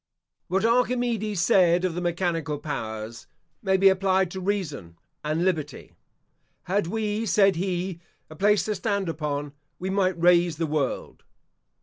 What Archimedes said of the mechanical powers, may be applied to Reason and Liberty. "Had we," said he, "a place to stand upon, we might raise the world."